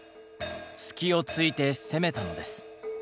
隙をついて攻めたのです。